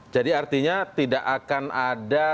jadi artinya tidak akan ada